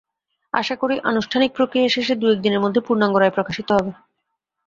আশা করি, আনুষ্ঠানিক প্রক্রিয়া শেষে দু-এক দিনের মধ্যে পূর্ণাঙ্গ রায় প্রকাশিত হবে।